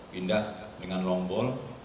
pindah dengan long ball